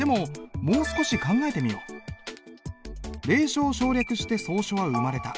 隷書を省略して草書は生まれた。